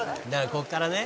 「ここからね」